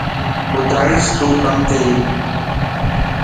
ٻڌائيس تو ڪم ٿيي.